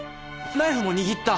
ナイフも握った。